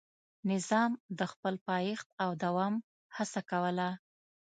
نظام د خپل پایښت او دوام هڅه کوله.